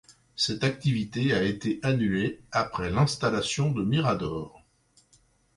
Cette activité a été annulée après l'installation de miradors.